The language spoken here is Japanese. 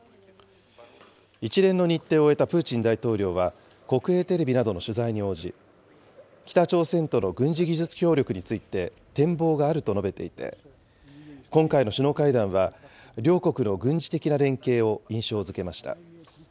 一連の日程を終えたプーチン大統領は、国営テレビなどの取材に応じ、北朝鮮との軍事技術協力について展望があると述べていて、今回の首脳会談は、両国の軍事的な連携を印象づけました。